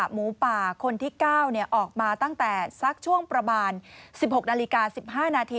หมูป่าคนที่๙ออกมาตั้งแต่สักช่วงประมาณ๑๖นาฬิกา๑๕นาที